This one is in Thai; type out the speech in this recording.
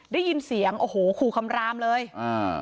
ได้ยินเสียงโอ้โหขู่คำรามเลยอ่า